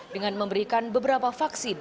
dengan memberikan beberapa vaksin